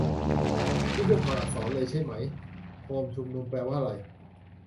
นี่คือถอดอักษรเลยใช่มั๊ย - "โฮมชุมนุม" แปลว่าไร ?